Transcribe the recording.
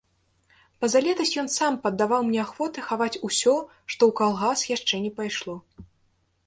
Пазалетась ён сам паддаваў мне ахвоты хаваць усё, што ў калгас яшчэ не пайшло.